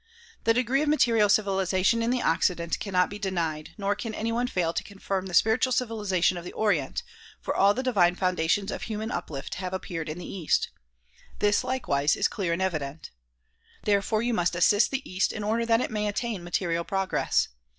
The degree of material civilization in the Oc cident cannot be denied; nor can any one fail to confirm the spiritual civilization of the Orient, for all the divine foundations of human uplift have appeared in the east. This likewise is clear and evident. Therefore you must assist the east in order that it may attain material progress.